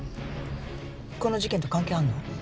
この事件と関係あるの？